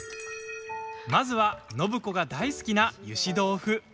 まずは暢子が大好きな、ゆし豆腐。